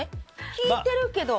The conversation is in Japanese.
聞いてるけど。